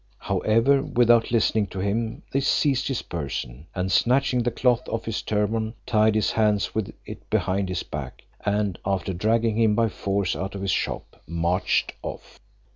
However, without listening to him, they seized his person, and, snatching the cloth off his turban, tied his hands with it behind his back, and, after dragging him by force out of his shop, marched off.